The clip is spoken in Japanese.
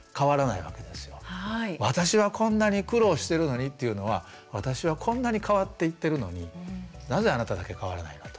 私はこんなに苦労してるのにっていうのは「私はこんなに変わっていってるのになぜあなただけ変わらないの？」と。